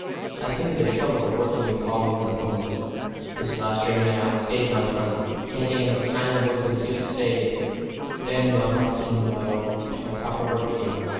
I think of the trouble of working with colleagues and opponents. This last journey I outstayed my time, camping in the pine woods for six days. Then my thoughts came round to my proper work again.